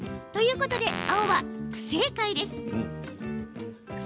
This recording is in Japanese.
ということで、青は不正解。